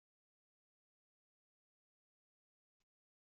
Ṣeḥḥa qqes tawurt beɛlamhel.